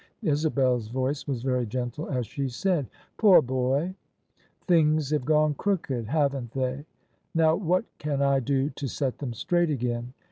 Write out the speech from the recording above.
Isabel's voice was very gentle as she said :" Poor boy I Things have gone crooked, haven't they? Now what can I do to set them straight again